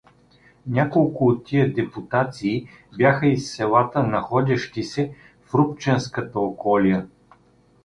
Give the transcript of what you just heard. Няколко от тия депутации бяха из селата, находящи се в Рупченската околия.